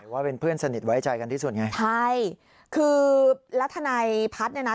ว่าเป็นเพื่อนสนิทไว้ใจกันที่สุดไงใช่คือแล้วทนายพัฒน์เนี่ยนะ